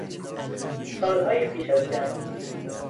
سالهای پیش از جنگ